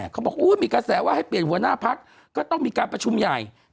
เขาบอกมีกระแสว่าให้เปลี่ยนหัวหน้าพักก็ต้องมีการประชุมใหญ่